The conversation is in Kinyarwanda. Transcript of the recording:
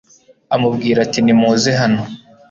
amubwira ati nimuze hano